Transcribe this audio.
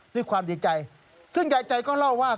ด้วยความดีใจซึ่งยายใจก็เล่าว่า